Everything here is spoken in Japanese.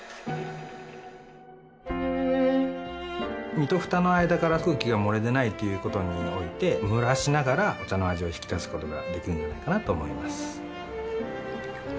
身と蓋の間から空気が漏れ出ないということにおいて蒸らしながらお茶の味を引き出すことができるんじゃないかなと思います